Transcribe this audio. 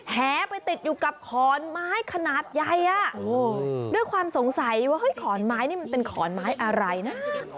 แหไปติดอยู่กับขอนไม้ขนาดใหญ่ด้วยความสงสัยว่าเฮ้ยขอนไม้นี่มันเป็นขอนไม้อะไรนะ